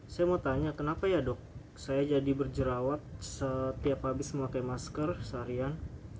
saya mau tanya kenapa ya dok saya jadi berjerawat setiap habis memakai masker seharian